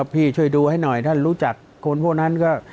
พี่ช่วยดูให้หน่อยถ้ารู้จักคนพวกนั้นก็